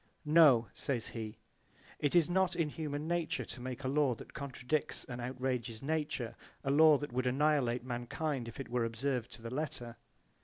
"No", says he, "it is not in human nature to make a law that contradicts and outrages nature, a law that would annihilate mankind if it were observed to the letter."